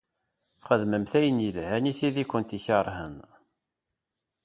Xedmemt ayen ilhan i tid i kent-ikeṛhen.